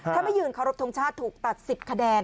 ถ้าไม่ยืนเคารพทงชาติถูกตัด๑๐คะแนน